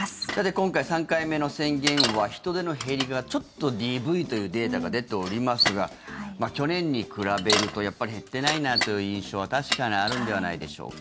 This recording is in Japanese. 今回、３回目の宣言は人出の減りがちょっと鈍いというデータが出ておりますが去年に比べると減ってないなという印象は確かにあるのではないでしょうか。